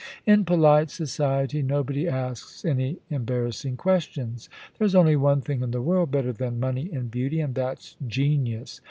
* In polite society nobody asks any embarrassing questions. There's only one thing in the world better than money and beauty, and that's genius.